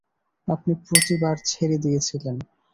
আপনি প্রতিবার ছেড়ে দিয়েছিলেন।